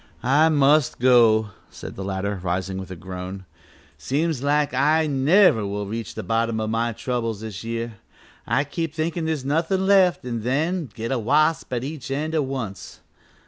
"I must go," said the latter, rising with a groan, "seems like I never will reach the bottom o' my troubles this year. I keep thinkin' there's nothin' left an' then I get a wasp at each end at once.